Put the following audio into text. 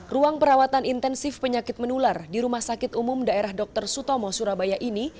ruang perawatan intensif penyakit menular di rumah sakit umum daerah dr sutomo surabaya ini